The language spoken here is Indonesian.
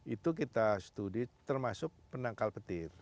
itu kita studi termasuk penangkal petir